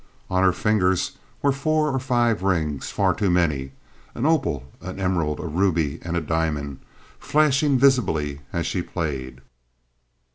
On her fingers were four or five rings, far too many—an opal, an emerald, a ruby, and a diamond—flashing visibly as she played.